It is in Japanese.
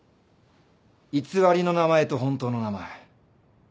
偽りの名前と本当の名前